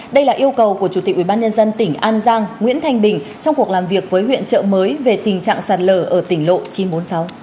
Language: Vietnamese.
đây là yêu cầu của chủ tịch ubnd tỉnh an giang nguyễn thanh bình trong cuộc làm việc với huyện trợ mới về tình trạng sạt lở ở tỉnh lộ chín trăm bốn mươi sáu